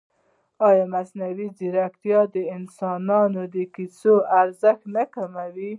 ایا مصنوعي ځیرکتیا د انساني کیسې ارزښت نه کموي؟